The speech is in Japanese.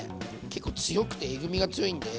結構強くてえぐみが強いんで。